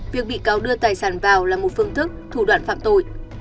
việc bị cáo đưa tài sản vào là một phương thức thủ đoạn phạm tội